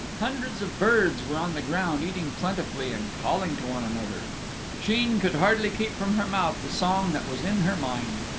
Hundreds of birds were on the ground eating plentifully and calling to one another. Sheen could hardly keep from her mouth the song that was in her mind.